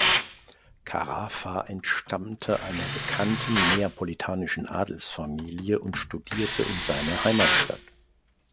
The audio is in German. Carafa entstammte einer bekannten neapolitanischen Adelsfamilie und studierte in seiner Heimatstadt.